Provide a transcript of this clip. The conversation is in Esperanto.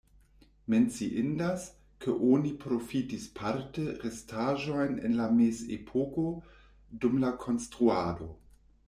Menciindas, ke oni profitis parte restaĵojn el la mezepoko dum la konstruado.